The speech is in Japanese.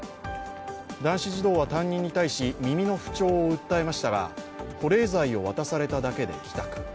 男子児童は担任に対し、耳の不調を訴えましたが保冷剤を渡されただけで帰宅。